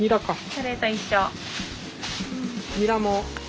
それと一緒。